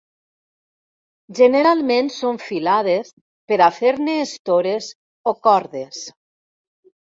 Generalment són filades per a fer-ne estores o cordes.